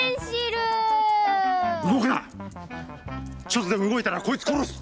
ちょっとでも動いたらこいつ殺す！